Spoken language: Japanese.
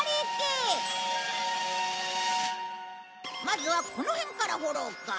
まずはこの辺から掘ろうか。